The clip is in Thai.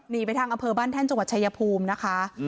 หนีไปทางอำเภอบ้านแท่นจังหวัดชายภูมินะคะ